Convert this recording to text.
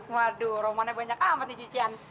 waduh romannya banyak amat nih cucian